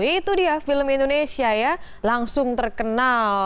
itu dia film indonesia ya langsung terkenal